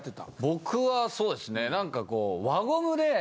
僕はそうですね何かこう。